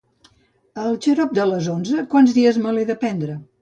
El xarop de les onze quants dies me l'he de prendre?